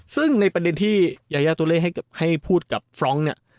ซึ่งในประเด็นที่ยายาตัวเลขให้พูดกับฟรองก์เนี่ย